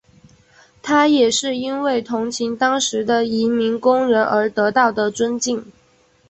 他也因为同情当时的移民工人而得到的尊敬。